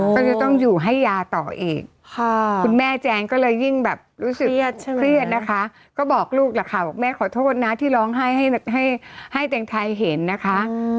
ก็จะต้องอยู่ให้ยาต่ออีกคุณแม่แจงก็เลยยิ่งแบบรู้สึกเครียดนะคะก็บอกลูกแหละค่ะบอกแม่ขอโทษนะที่ร้องให้ให้แตงไทยเห็นนะคะ